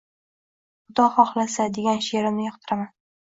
Xudo xoxlasa…” degan she’rimni yoqtiraman.